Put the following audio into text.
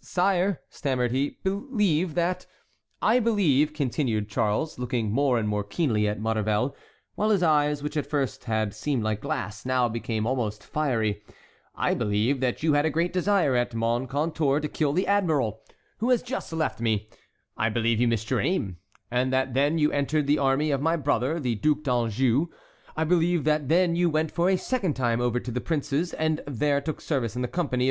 "Sire," stammered he, "believe that"— "I believe," continued Charles, looking more and more keenly at Maurevel, while his eyes, which at first had seemed like glass, now became almost fiery, "I believe that you had a great desire at Moncontour to kill the admiral, who has just left me; I believe you missed your aim, and that then you entered the army of my brother, the Duc d'Anjou; I believe that then you went for a second time over to the prince's and there took service in the company of M.